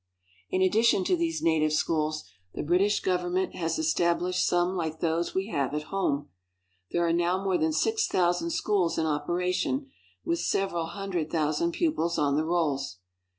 In addition to these native schools the British govern ment has established some like those we have at home. There are now more than six thousand schools in opera tion, with several hundred thousand pupils on the rolls.